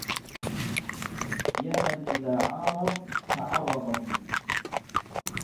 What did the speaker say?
يا من إذا عارض تعرض بي